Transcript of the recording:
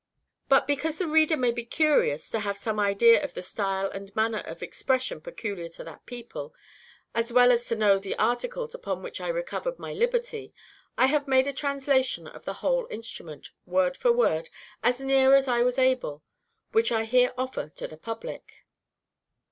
But, because the reader may be curious to have some idea of the style and manner of expression peculiar to that people, as well as to know the articles upon which I recovered my liberty, I have made a translation of the whole instrument, word for word, as near as I was able, which I here offer to the public.